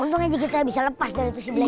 untung aja kita bisa lepas dari itu si blacky